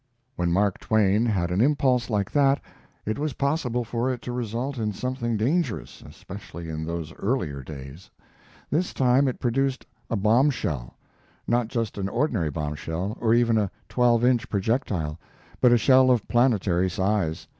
When Mark Twain had an impulse like that it was possible for it to result in something dangerous, especially in those earlier days. This time it produced a bombshell; not just an ordinary bombshell, or even a twelve inch projectile, but a shell of planetary size.